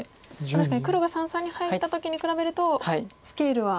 確かに黒が三々に入った時に比べるとスケールは。